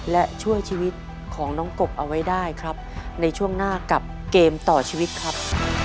และช่วยชีวิตของน้องกบเอาไว้ได้ครับในช่วงหน้ากับเกมต่อชีวิตครับ